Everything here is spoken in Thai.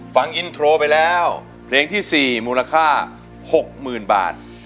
ฟังอินโทรไปแล้วเพลงที่๔มูลค่า๖๐๐๐บาท